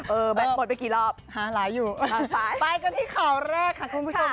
แบตหมดไปกี่รอบ๕หลายอยู่ไปกันที่ข่าวแรกค่ะคุณผู้ชม